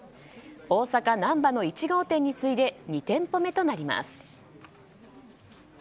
大阪・なんばの１号店に次いで２店舗目となります。